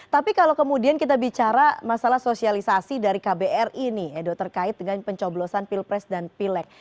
tapi kalau kemudian kita bicara masalah sosialisasi dari kbri nih edo terkait dengan pencoblosan pilpres dan pileg